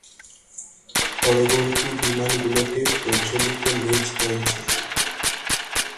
পরবর্তী বিমানগুলোতে প্রচলিত লেজ রয়েছে।